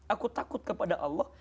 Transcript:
aku takut kepada allah